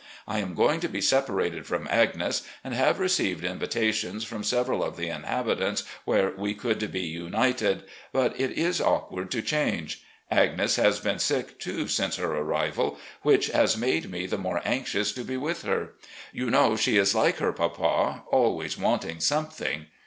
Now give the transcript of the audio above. I am going to be separated from Agnes, and have received invitations from several of the inhabitants where we could be united. But it is awkward to change. Agnes has been sick, too, since her arrival, which has made me the more anxious to be with her. You know she is like her papa — ^always wanting something.